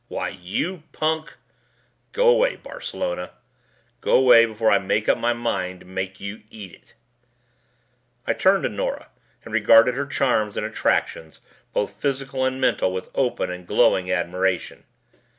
"Why, you punk " "Go away, Barcelona. Go away before I make up my mind to make you eat it." I turned to Nora Taylor and regarded her charms and attractions both physical and mental with open and glowing admiration.